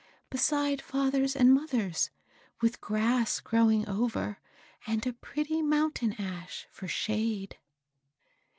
beside father's and mother's, with grass growing over, and a pretty mountain ash for shade."